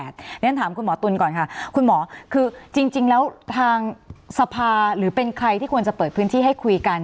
ฉันถามคุณหมอตุ๋นก่อนค่ะคุณหมอคือจริงแล้วทางสภาหรือเป็นใครที่ควรจะเปิดพื้นที่ให้คุยกัน